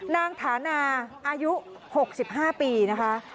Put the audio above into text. ฐานาอายุ๖๕ปีนะคะ